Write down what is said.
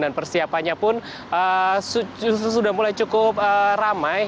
dan persiapannya pun sudah mulai cukup ramai